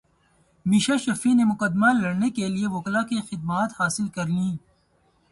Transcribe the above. میشا شفیع نے مقدمہ لڑنے کیلئے وکلاء کی خدمات حاصل کرلیں